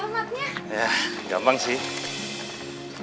ya gampang sih